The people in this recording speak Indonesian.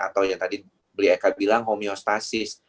atau yang tadi blieka bilang homeostasis